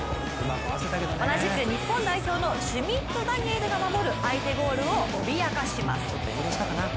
同じく日本代表のシュミット・ダニエルが守る相手ゴールを脅かします。